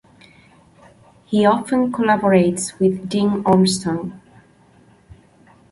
He often collaborates with Dean Ormston.